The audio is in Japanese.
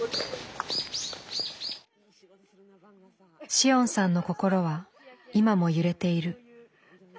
紫桜さんの心は今も揺れている。